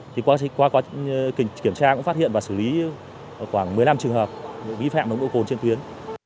thì qua quá trình kiểm tra cũng phát hiện và xử lý khoảng một mươi năm trường hợp vi phạm nồng độ cồn trên tuyến